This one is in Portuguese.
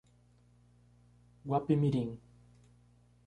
Guapimirim